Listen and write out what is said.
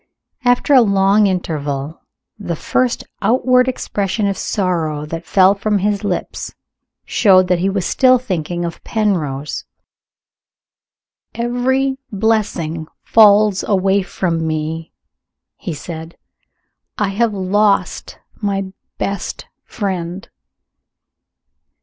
After a long interval, the first outward expression of sorrow that fell from his lips showed that he was still thinking of Penrose. "Every blessing falls away from me," he said. "I have lost my best friend."